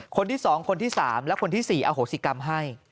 คนที่๒คนที่๓และคนที่๔อโหสิกรรมให้